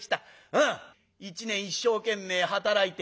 うん一年一生懸命働いて。